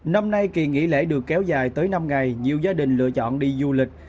năm nay kỳ nghỉ lễ được kéo dài tới năm ngày nhiều gia đình lựa chọn đi du lịch